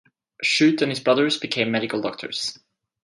Shute and his brothers became medical doctors.